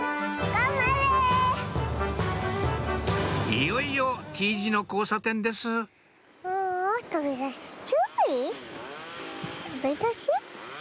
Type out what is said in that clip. いよいよＴ字の交差点ですとびだし？